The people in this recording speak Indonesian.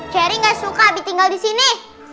cherry nggak suka abi tinggal di sini